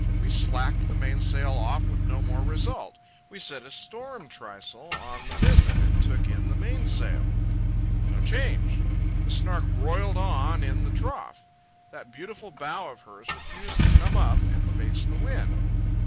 We slacked the mainsail off with no more result. We set a storm trysail on the mizzen, and took in the mainsail. No change. The Snark roiled on in the trough. That beautiful bow of hers refused to come up and face the wind.